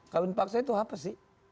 kawin paksa itu apa sih